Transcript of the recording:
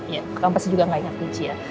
ya kamu pasti juga tidak ingat michi ya